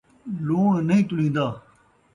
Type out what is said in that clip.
لوݨ نئیں تُلین٘دا